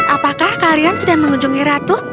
apakah kalian sudah mengunjungi ratu